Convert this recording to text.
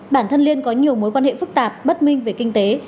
bản thân liên có nhiều mối quan hệ phức tạp bất minh về kinh tế